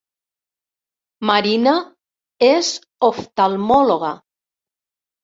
Marina és oftalmòloga